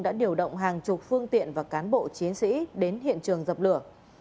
đã điều động hàng chục phương tiện và cán bộ chiến sĩ đến hiện trường dập lửa